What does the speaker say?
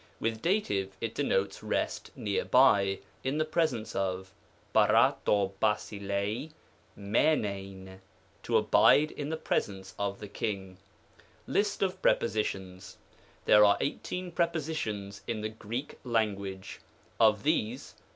With Dat. it denotes rest " near by," " in the presence of ;" nccga T65 fiaoiXtl fisvuv, " to abide in the presence of the king." LIST OF PREPOSmONS. There are eighteen Prepositions in the Greek Lan guage; of these.